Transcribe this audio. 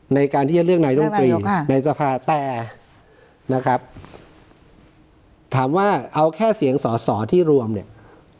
ในการที่จะเลือกนายรมตรีในสภาแต่นะครับถามว่าเอาแค่เสียงสอสอที่รวมเนี่ย